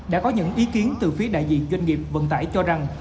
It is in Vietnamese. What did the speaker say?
đã có những ý kiến từ phía đại diện doanh nghiệp vận tải cho rằng